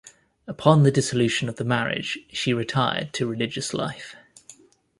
Upon the dissolution of the marriage, she retired to religious life.